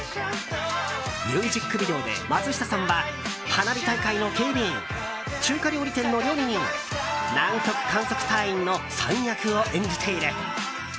ミュージックビデオで松下さんは花火大会の警備員中華料理店の料理人南極観測隊員の３役を演じている。